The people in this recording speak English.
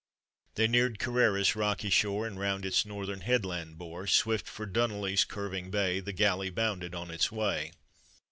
— They neared Kerrera's rocky shore, And round its northern headland bore; Swift for Dunolly's curving bay, The galley bounded on its way.